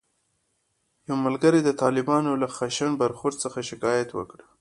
یو ملګري د طالبانو له خشن برخورد څخه شکایت وکړ.